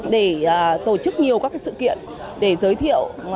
để tổ chức nhiều các sự kiện để giới thiệu